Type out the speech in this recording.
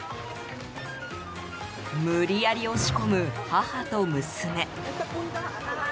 無理やり押し込む母と娘。